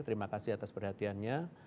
terima kasih atas perhatiannya